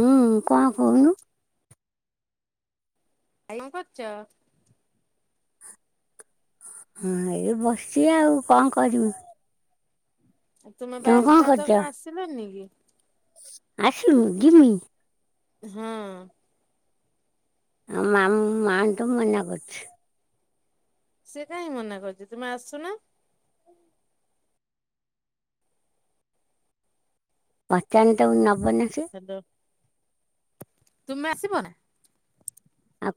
ହୁଁ କଣ କହୁନୁ? ଆଇ କରଚ [unintelligible] ହଁ ଏଇ ବସିଛି ଆଉ କଣ କରିବି? ଆଉ ତୁମେ ପା ତମେ କ'ଣ ଆସିଥାନ୍ତ କଣ ଆସିଲନି କି? ଆସ ମୁୁ ଘିମି ହଁ ଆ ଆ ତ ମନା କରୁଛି ସେ କାହିଁ ମନା କରୁଛି ତୁମେ ଆସଛ ନା ବଚାଟ ନ ଭନକ ହ୍ୟାଲୋ। ତୁମେ ଆସିବ ନା ହ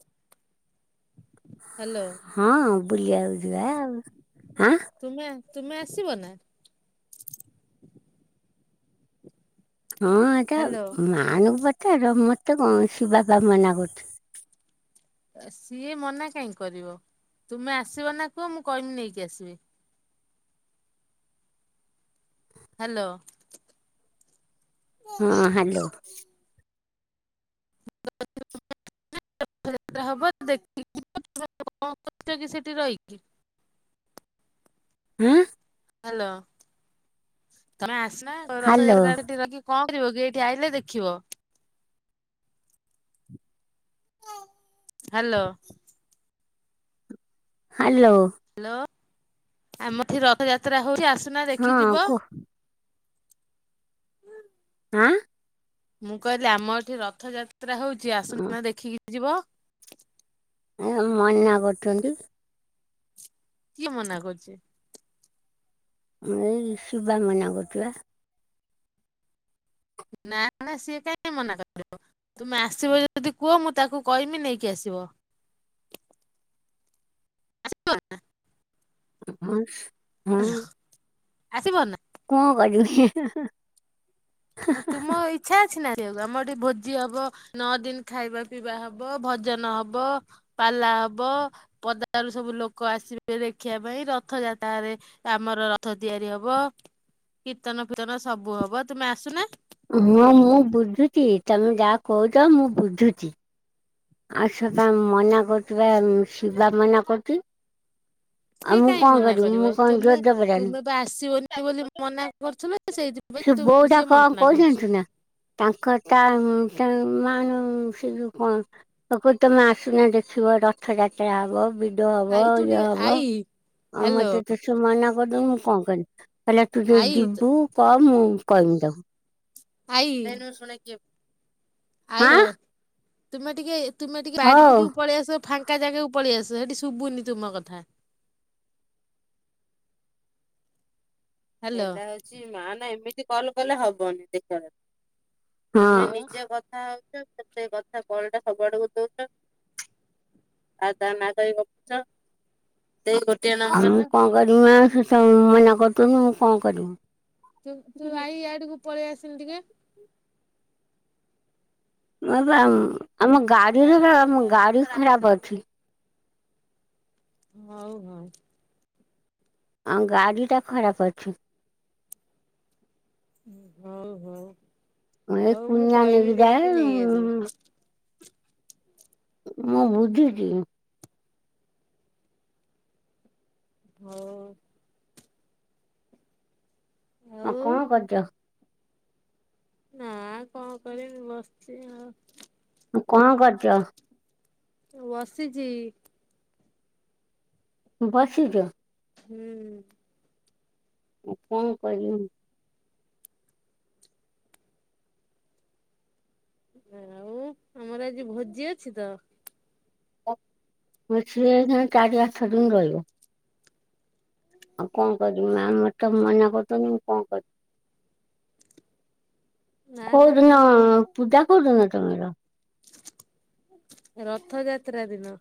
ହ୍ୟାଲୋ ହଁ ପୁଲଆ ିବା ହ ତୁମେ ତୁମେ ଆସିବ ନା ହଁ ଆଟ ହ୍ୟାଲୋ ମାନ ପତାର ମତେ କେତେ କଣ ଶ ବାପ ମନା କରୁଛି ସିଏ ମନା କାହିଁ କରିବ ତୁମେ ଆସିବ ନା କୁହ ମୁଁ କହିିବି ନେଇକି ଆସିବି ହ୍ୟାଲୋ ହଁ ହ୍ୟାଲୋ ାତା ହବ ଦେଖି କଣ କରଛ କି ସେଠି ରହିକି ହୁଁ ହ୍ୟାଲୋମ ନା ହ୍ୟାଲୋ ରଖି କ ିବ କି ଏଇଠି ଆଇିଲେ ଦେଖିବ ହ୍ୟାଲୋ ହ୍ୟାଲୋ ହ୍ୟାଲୋ ଆମର ଠି ରଥଯାତ୍ରା ହଉଛି ଆସ ସୂଚନା ହଁ ଦେଖିଯିବ କୁହ ଆଁ ମୁଁ କହିଲି ଆମ ଏଠି ରଥଯାତ୍ରା ତ୍ରା ହଉଛି ଆସୁ ଦେଖିକି ଯିବ ମନାନା କରୁଛନ୍ତି କିଏ ମନା କରୁଛ ଏ ଶବା ମନା କରୁଥିବା ନା ନା ସିଏ କାହିଁକି ମନା କରିବ ତୁମେ ଆସିବ ଯଦି କୁହ ମୁଁ ତାକୁ କହମି ନେଇକି ଆସିବ ଆସିବ ହ ହ ଆସିବ ନା କଣ [unintelligible] ତୁମ ଇଚ୍ଛା ଅଛି ନା? ଆସିବାକୁ ଆମ ହଟି ଭୋଜି ହବ ନଅ ଦିନ ଖାଇବା ପିଇବା ହବ ଭଜନ ହବ ପାଲା ହବ ପଦାରୁ ସବୁ ଲୋକ ଆସିବେ ଦେଖିବା ପାଇଁ ରଥ ଯାତ୍ରାରେ ଆମର ରଥ ତିଆରି ହବ କୀର୍ତ୍ତନ ଫୀର୍ତନ ସବୁ ହବ ତୁମେ ଆ ଆସୁ ନା। ହଁ ମୁଁ ବୁଝୁଚି ତମେ ଯାହା କହୁଛ ମୁଁ ବୁଝୁଚି। ଆ ସେପା ମନା କରୁଥିବା ଶିବା ମନା କରୁଚି। ସିଏ କାହିଁ ମନା କରିବ ଜୋର ତୁମେ ଜବରଦସ୍ତ। ତୁମେ ବା ଆସିବନି ବୋଲି ମନା କରୁଥୁଲ ସେଇଥିପାଇଁ ସେ ତୁ ବୋଉଟା ସିଏ କଣ ମନା କରୁଚି। କହୁଛନ୍ତି ନା ମା ନୋ ସେ ଜୋଉ କ ପପୁ ତମେ ଆସୁନା ଦେଖିବ ରଥଯାତ୍ରା ହବ। ବି ଭିଡ଼ ହବ ଆଇ ତୁ ଇଏ ଟିକେ ହବ ଆଇ ଆଉ ହାଲୋ ମତେ ତ ସେ ମନା ବଡ ମୁଁ କଣ କରି ହେଲେ ତୁ ଯଦି ଆଇ ଯିବୁ କ ମୁଁ କହିମି ତାକୁ। ଦେ ନି ମୁଁ ଶୁଣେ କିଏ? ଆଇ ଓ ତୁମେ ଟିକେ ତୁମେ ଟିକେ ବାଡି ହଉ ପଟକୁ ପଳେଇଆସ ଫା ଙ୍କା ଜାଗାକୁ ପଳେଇ ଆସ ସେଠି ଶୁଭୁନି ତୁମ କଥା। ହାଲୋ ଏଇଟା ହଉଛି ମା ନା ଏମିତି ତି କଲ କଲେ ହବନି ଦେଖ। ହଁ ହାଲୋ ନିଜ କଥା ସେ କଥା କଲ ଟା ସବୁଆଡକୁ ଦଉଚ ଆଉ ତା ନା କାଇଁ ଗପୁଚ ସେଇ ଗ ଟିଏ ହାଲୋ ନମ୍ବର ରୁ ଆଉ ମୁଁ କଣ କରିବି? ତମେ ମନା କରିଦଉନ। କଣ କରିମି? ତୁ ତୁ ଆଇ ଇଆଡୁକୁ ପଳେଇ ଆସିଲି ଟିକେ ମ ପା ଆମ ଗାଡିରେ ବି ଆମ ଗାଡି ଖରାପ ଅଛି। ହଉ ହଉ। ଆଉ ଗାଡି ଟା ଖରାପ ଅଛି। ହଉ ହଉ। ଏ ହଉ ମୁଁ କୁନିଆ କହିମି ନେଇକି ଯାଇକି ଯାଏ। ନେଇ ଆସିବି। ମୁଁ ବୁଝୁଚି। ହଉ। ହଁ ଆଉ କଣ କରୁଚ? ନା କଣ କରିମି ବସିଚି ଆଉ। କଣ କରୁଚ? ବସିଚି। ବସିଚ? ହୁଁ। କଣ କରିବି? ଆଉ ଆମର ଆଜି ଭୋଜି ଅଛି ତ [unintelligible] ଚାରିଆଠ ଦିନ ରହିବ। ଆଉ କଣ କରିବି ମା ମତେ ମନା କରୁଛନ୍ତି, ମୁଁ କଣ କରିବି? ନା ନା କୋଉଦିନ ତୁମେ ପ ପୂଜା କୋଉଦିନଠୁ? ତଳର ରଥଯାତ୍ରା ଦିନ।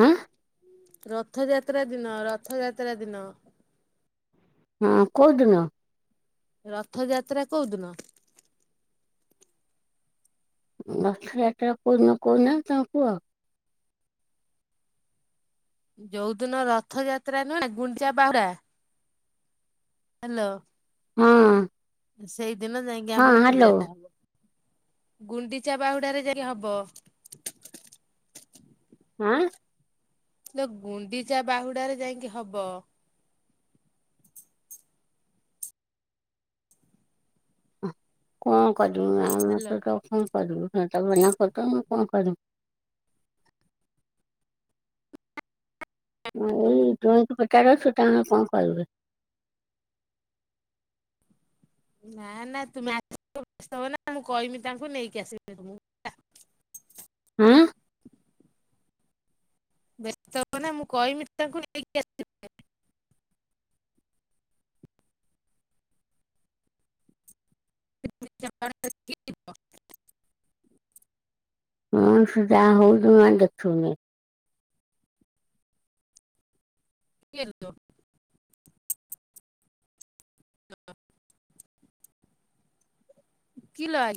ହଁ ରଥଯାତ୍ରା ଦିନ, ରଥଯାତ୍ରା ଦିନ। ହଁ କଉ ଦିନ? ରଥଯାତ୍ରା କୋଉ ଦିନ? ରଥଯାତ୍ରା କୋଉଦିନ କହୁନା ତମେ କୁହ? ଯୋଉଦିନ ରଥଯାତ୍ରା ନୁହେଁ ନା ଗୁଣ୍ଡିଚା ବାହୁଡା ହ୍ୟାଲୋ ହଁ। ସେଇ ଦିନ ଯାଇକି ହଁ ଆମର ହ୍ୟାଲୋ ପୂଜା। ଗୁଣ୍ଡିଚା ବାହୁଡାରେ ଯାଇ ହବ। ହଁ ଲୋ ଗୁଣ୍ଡିଚା ବାହୁଡାରେ ଯାଇକି ହବ। କଣ କଦୁ ଆ ହାଲୋ ମୋତେ ତ କ କରିବୁ ସେ ତ ମନା କର ମୁଁ କଣ କରିବି। ଏଇ [unintelligible] କାର ଛୋଟା ମା କଣ କରିବେ। ନା ନା ତୁମେ ଆସ ବ୍ୟସ୍ତ ହବ ନା ମୁଁ କହମି ତାଙ୍କୁ ନେଇକି ଆସିବେ [inaudible] ଆଁ ବ୍ୟସ୍ତ ହବ ନା ମୁଁ କହିମି ତାଙ୍କୁ ନେଇକି ଆସି [inaudible] ହଁ ସେ ଯାହା ହଉ ତମେ ଆ ଦେଖିବନି। କିଏ ଲୋ ହ କି ଲୋ ଆ